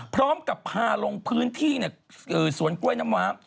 พร้อมกับพาลงพื้นที่เนี่ยสวนกล้วยน้ำหวา